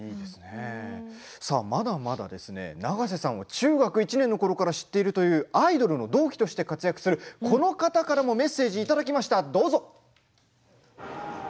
まだまだ永瀬さんを中学１年のころから知っているというアイドルの同期として活躍するこの方からもメッセージをいただきました。